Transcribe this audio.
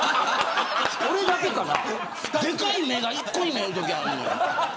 俺だけかな、でかい目が１個に見えるときあるのよ。